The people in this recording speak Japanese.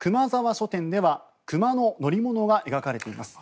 書店では熊の乗り物が描かれています。